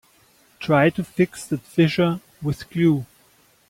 Try to fix that fissure with glue.